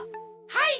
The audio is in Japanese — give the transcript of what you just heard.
はい。